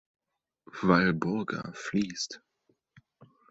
Walburga fließt.